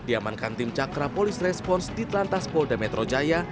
diamankan tim cakra polis respons di telantas polda metro jaya